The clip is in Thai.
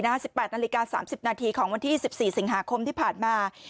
๑๘นาฬิกา๓๐นาทีของวันที่๑๔สิงหาคมที่ผ่านมา